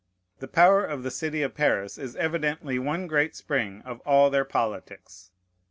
The power of the city of Paris is evidently one great spring of all their politics.